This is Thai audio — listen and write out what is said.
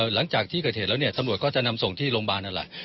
หลังจากที่เกิดเหตุแล้วเนี่ยตำรวจก็จะนำส่งที่โรงพยาบาลนั่นแหละ